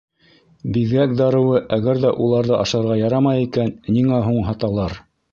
Биҙгәк дарыуы Әгәр ҙә уларҙы ашарға ярамай икән, ниңә һуң һаталар?